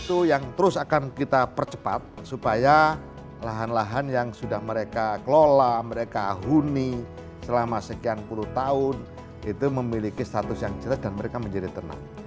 itu yang terus akan kita percepat supaya lahan lahan yang sudah mereka kelola mereka huni selama sekian puluh tahun itu memiliki status yang jelas dan mereka menjadi tenang